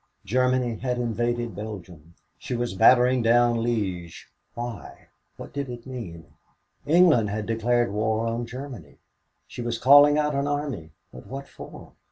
Germany had invaded Belgium. She was battering down Liège. Why, what did it mean? England had declared war on Germany. She was calling out an army, but what for?